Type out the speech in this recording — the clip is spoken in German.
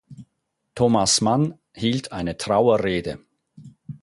Thomas Mann hielt eine Trauerrede.